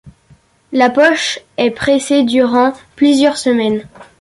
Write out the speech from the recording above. La poche est pressée durant plusieurs semaines.